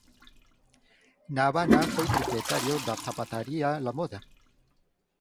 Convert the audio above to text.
Na Habana foi propietario da zapataría La Moda.